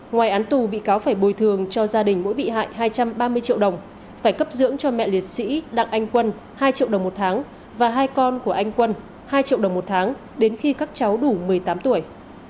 ngoài án tù bị cáo phải bồi thường cho gia đình mỗi bị hại hai trăm ba mươi triệu đồng phải cấp dưỡng cho mẹ liệt sĩ đặng anh quân hai triệu đồng một tháng và hai con của anh quân hai triệu đồng một tháng đến khi các cháu đủ một mươi tám tuổi